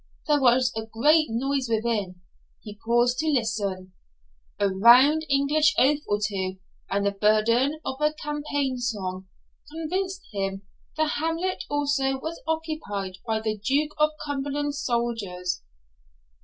There was a great noise within; he paused to listen. A round English oath or two, and the burden of a campaign song, convinced him the hamlet also was occupied by the Duke of Cumberland's soldiers.